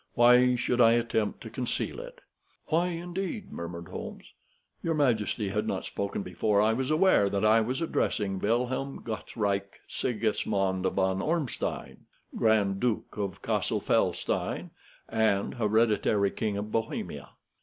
Why should I attempt to conceal it?" "Why, indeed?" murmured Holmes. "Your majesty had not spoken before I was aware that I was addressing Wilhelm Gottsreich Sigismond von Ormstein, Grand Duke of Cassel Felstein, and hereditary King of Bohemia."